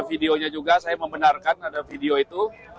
videonya juga saya membenarkan ada video itu